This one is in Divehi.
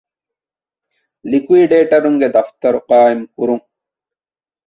ލިކުއިޑޭޓަރުންގެ ދަފްތަރު ޤާއިމުކުރުން